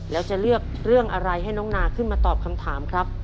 แล้วจะเลือกเรื่องอะไรให้น้องนาขึ้นมาตอบคำถามครับ